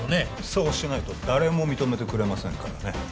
そうしないと誰も認めてくれませんからね